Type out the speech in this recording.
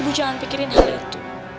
ibu jangan pikirin hal itu